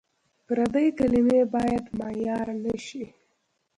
پردۍ کلمې باید معیار نه شي.